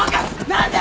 何で！？